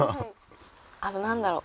あとなんだろう